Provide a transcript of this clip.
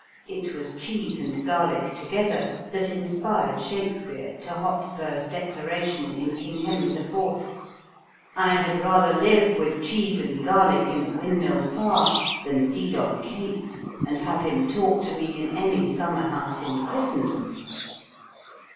It was cheese and garlic together that inspired Shakespeare to Hotspur's declaration in King Henry IV: I had rather live With cheese and garlic in a windmill, far, Than feed on cates and have him talk to me In any summer house in Christendom.